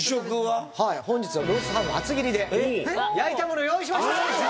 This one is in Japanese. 本日はロースハム厚切りで焼いたもの用意しました。